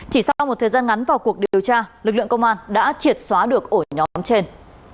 chỉ sau một thời gian ngắn vào cuộc điều tra lực lượng công an đã triệt xóa được ổ nhóm trên